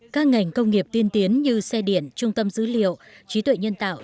các ngành công nghiệp tiên tiến như xe điện trung tâm dữ liệu trí tuệ nhân tạo